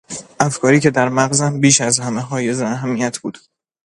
افکاری که در مغزم بیش از همه حایز اهمیت بود.